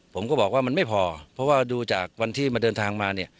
ผมก็บอกว่ามันไม่พอเพราะว่าดูจากวันที่มาเดินทางมาเนี่ย